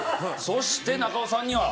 そして中尾さんには。